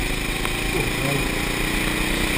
Curvelo